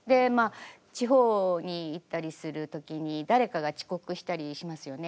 地方に行ったりする時に誰かが遅刻したりしますよね。